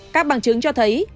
các bằng chứng cho thấy